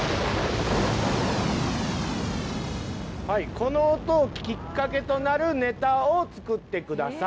この音がきっかけとなるネタを作ってください。